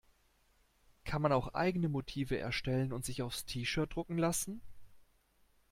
Kann man auch eigene Motive erstellen und sich aufs T-shirt drucken lassen?